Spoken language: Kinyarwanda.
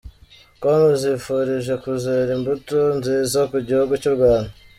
com izifurije kuzera imbuto nziza ku gihugu cy’ u Rwanda .